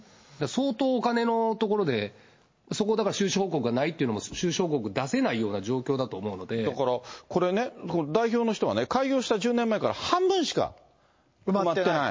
相当、お金のところで、そこをだから収支報告がないというところも、収支報告出せないよだからこれね、代表の人がね、開業した１０年前から半分しか埋まってない。